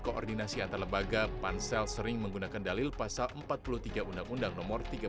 koordinasi antar lembaga pansel sering menggunakan dalil pasal empat puluh tiga undang undang nomor tiga belas